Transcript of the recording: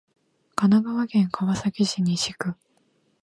神奈川県川崎市西区